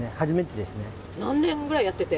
何年ぐらいやってて？